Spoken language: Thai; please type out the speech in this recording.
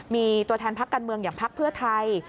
มีตัวแทนพักการเมืองอย่างพักเพื่อไทย